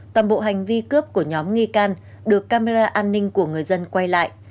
toàn bộ hành vi cướp của nhóm nghi can được camera an ninh của người dân quay lại